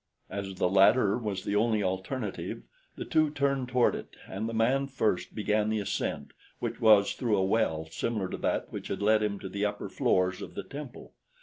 As the ladder was the only alternative, the two turned toward it and, the man first, began the ascent, which was through a well similar to that which had led him to the upper floors of the temple.